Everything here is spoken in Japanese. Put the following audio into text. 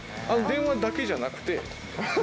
電話だけじゃなくて。